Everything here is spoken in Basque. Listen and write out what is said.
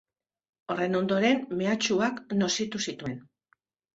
Horren ondoren mehatxuak nozitu zituen.